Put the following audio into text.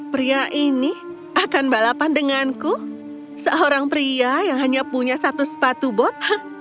pria ini akan balapan denganku seorang pria yang hanya punya satu sepatu bot